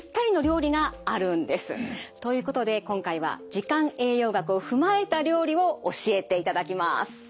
ということで今回は時間栄養学を踏まえた料理を教えていただきます。